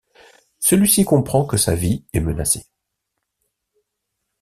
Celui-ci comprend que sa vie est menacée.